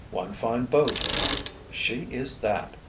"One fine boat." "She is that!"